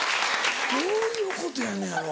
どういうことやのやろ？